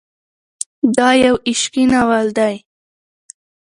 دا يو عشقي ناول دی.